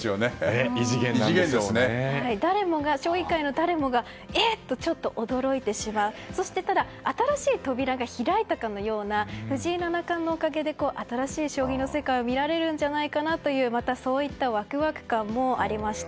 将棋界の誰もがえ？って驚いてしまうそして新しい扉が開いたかのような藤井七冠のおかげで新しい将棋の世界を見られるんじゃないかというワクワク感もありました。